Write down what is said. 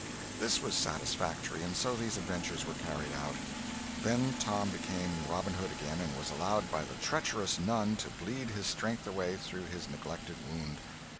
This was satisfactory, and so these adventures were carried out. Then Tom became Robin Hood again, and was allowed by the treacherous nun to bleed his strength away through his neglected wound.